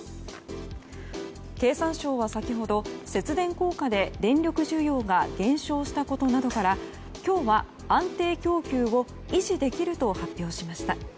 経産省は先ほど節電効果で電力需給が減少したことなどから今日は安定供給を維持できると発表しました。